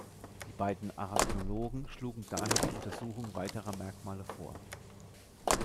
Die beiden Arachnologen schlugen daher die Untersuchung weiterer Merkmale vor.